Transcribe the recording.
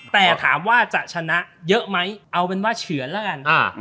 แต่ถามว่าจะชนะเยอะไหมเอาเป็นว่าเฉือนแล้วกัน